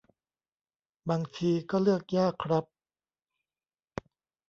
บางทีก็เลือกยากครับ